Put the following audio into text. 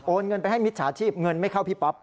เงินไปให้มิจฉาชีพเงินไม่เข้าพี่ป๊อป